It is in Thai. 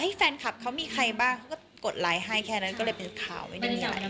ให้แฟนคลับเขามีใครบ้างก็กดไลน์ให้แค่นั้นก็เลยเป็นข่าวไว้ในนี้